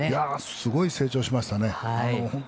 すごい成長しました。